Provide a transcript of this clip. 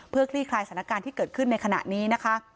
เพื่อคลี่คลายสถานการณ์ที่เกิดขึ้นในขณะนี้นะคะ